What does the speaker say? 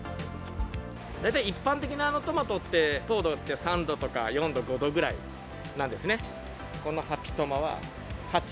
大体一般的なトマトって、糖度って３度、４度、５度ぐらいなんですね。